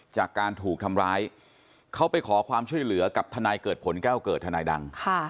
จากการถูกทำร้ายเขาไปขอความช่วยเหลือกับทนายเกิดผลแก้วเกิดทนายดัง